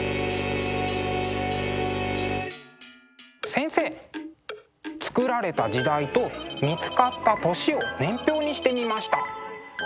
先生作られた時代と見つかった年を年表にしてみました。